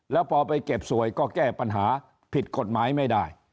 แล้วพอไปเก็บสวยก็แก้ปัญหาผิดกฎหมายไม่ได้